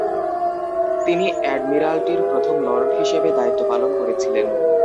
তিনি অ্যাডমিরাল্টির প্রথম লর্ড হিসেবে দায়িত্ব পালন করেছিলেন।